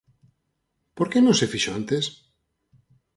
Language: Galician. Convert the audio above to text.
Por que non se fixo antes?